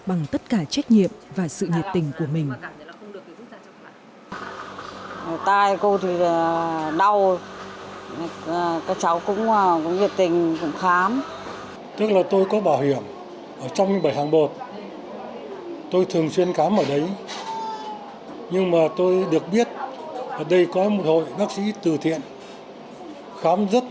bằng tất cả trách nhiệm và sự nhiệt tình của mình